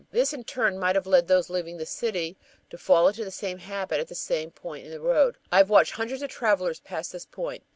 This in turn might have led those leaving the city to fall into the same habit at the same point in the road. I have watched hundreds of travelers pass this point.